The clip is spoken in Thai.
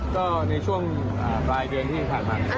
ก็ในช่วงปลายเดือนที่ผ่านมา